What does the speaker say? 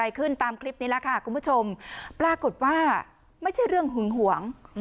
ขึ้นตามคลิปนี้แหละค่ะคุณผู้ชมปรากฏว่าไม่ใช่เรื่องหึงหวง